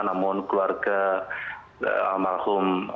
namun keluarga almarhum